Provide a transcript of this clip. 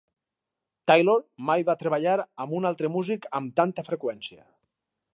Taylor mai va treballar amb un altre músic amb tanta freqüència.